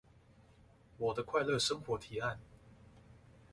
我的快樂生活提案